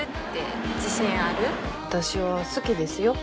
私は好きですよ。